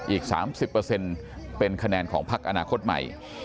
อีก๓๐เป็นคะแนนของพักอนาคตใหม่